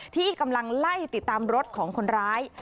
ที่กำลังไล่ติดตามรถของคนร้าย